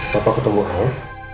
papa ketemu al